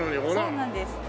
そうなんです。